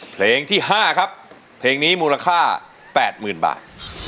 เพลงที่ห้าครับเพลงนี้มูลค่าแปดหมื่นบาท